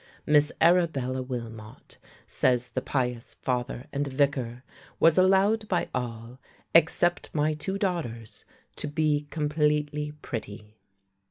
"Miss Arabella Wilmot," says the pious father and vicar, "was allowed by all (except my two daughters) to be completely pretty."